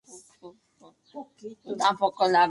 La ciudad colombiana de Puerto Carreño le debe su nombre.